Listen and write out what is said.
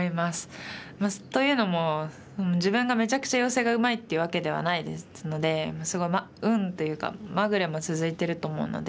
というのも自分がめちゃくちゃヨセがうまいっていうわけではないですのですごい運というかまぐれも続いてると思うので。